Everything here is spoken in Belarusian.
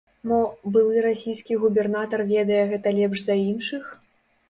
Мо, былы расійскі губернатар ведае гэта лепш за іншых?